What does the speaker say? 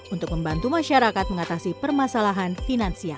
untuk membantu masyarakat mengatasi permasalahan finansial